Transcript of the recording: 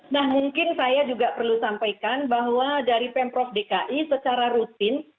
nah mungkin saya juga perlu sampaikan bahwa dari pemprov dki secara rutin